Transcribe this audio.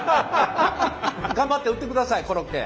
頑張って売ってくださいコロッケ。